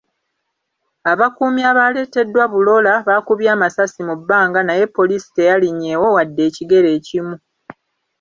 Abakuumi abaleeteddwa Bulola baakubye amasasi mu bbanga naye ppoliisi teyalinnyeewo wadde ekigere ekimu.